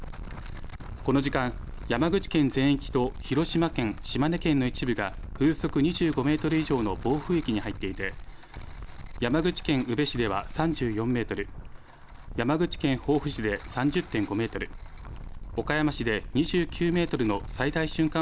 この時間、山口県全域と広島県、島根県の一部が風速２５メートル以上の暴風域に入っていて山口県宇部市では３４メートル、山口県防府市で３０．５メートル、岡山市で２９メートルの最大瞬間